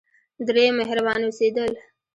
دریم: مهربانه اوسیدل.